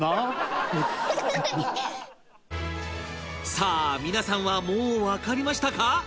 さあ皆さんはもうわかりましたか？